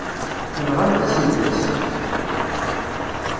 Tenɣamt-asent-tt.